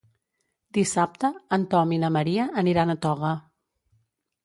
Dissabte en Tom i na Maria aniran a Toga.